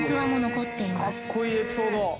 かっこいいエピソード。